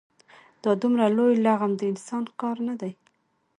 دا دومره لوی لغم د انسان کار نه دی.